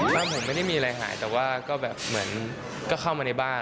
บ้านผมไม่ได้มีอะไรหายแต่ว่าก็แบบเหมือนก็เข้ามาในบ้าน